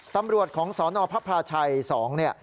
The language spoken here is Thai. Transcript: ตำรวจของสนพระพราชัย๒เนี่ย